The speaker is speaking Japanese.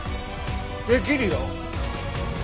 できるよ。